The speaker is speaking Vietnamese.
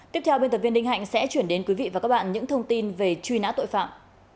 tiếp theo biên tập viên ninh hạnh sẽ chuyển đến quý vị và các bạn những thông tin về truy nã tội phạm